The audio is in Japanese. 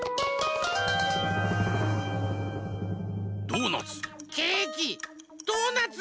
ドーナツ。